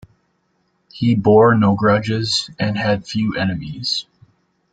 He bore no grudges and had few enemies.